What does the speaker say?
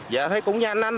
dạ thấy cũng nhanh anh